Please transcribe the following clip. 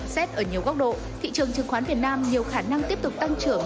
xét ở nhiều góc độ thị trường chứng khoán việt nam nhiều khả năng tiếp tục tăng trưởng